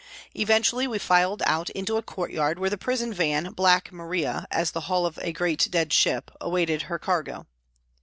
Eventually we filed out into a courtyard where the prison van, " Black Maria," as the hull of a great dead ship, awaited her cargo.